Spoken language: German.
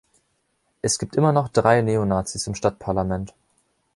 Es gibt immer noch drei Neonazis im Stadtparlament.